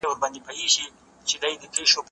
ميلمه د کتابتون له خوا هرکلی کيږي؟!